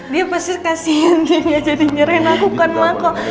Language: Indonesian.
dia pasti kasian dia gak jadi nyerain aku kan maka